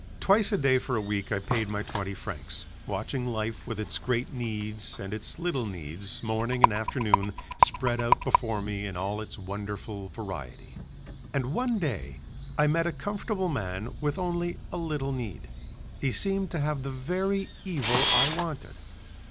Twice a day for a week I paid my twenty francs, watching life with its great needs and its little needs morning and afternoon spread out before me in all its wonderful variety. And one day I met a comfortable man with only a little need, he seemed to have the very evil I wanted.